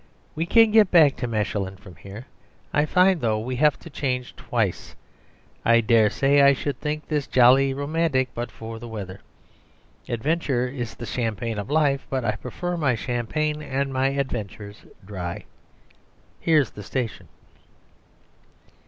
We can get back to Mechlin from here, I find, though we have to change twice. I dare say I should think this jolly romantic but for the weather. Adventure is the champagne of life, but I prefer my champagne and my adventures dry. Here is the station."